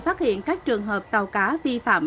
phát hiện các trường hợp tàu cá vi phạm